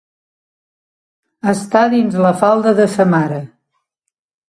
Estar dins la falda de sa mare.